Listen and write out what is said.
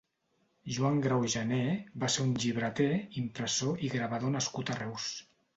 Joan Grau Gené va ser un llibreter, impressor i gravador nascut a Reus.